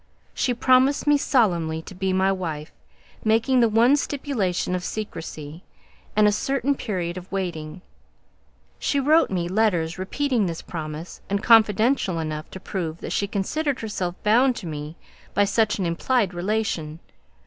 She promised me solemnly to be my wife, making the one stipulation of secrecy, and a certain period of waiting; she wrote me letters repeating this promise, and confidential enough to prove that she considered herself bound to me by such an implied relation.